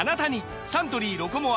サントリー「ロコモア」